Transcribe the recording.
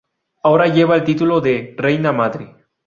Ahora lleva el título de Reina Madre.